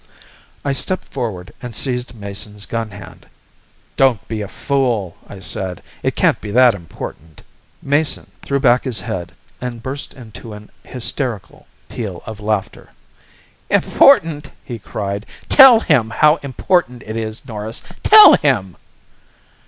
I stepped forward and seized Mason's gun hand. "Don't be a fool," I said. "It can't be that important." Mason threw back his head and burst into an hysterical peal of laughter. "Important!" he cried. "Tell him how important it is, Norris. _Tell him.